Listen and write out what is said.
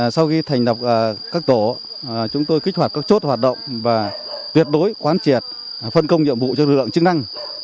sau khi thành lập các tổ chúng tôi kích hoạt các chốt hoạt động và tuyệt đối quán triệt phân công nhiệm vụ cho lực lượng chức năng